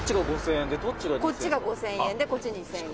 矢田：「こっちが５０００円でこっち２０００円」